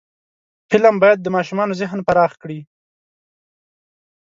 فلم باید د ماشومانو ذهن پراخ کړي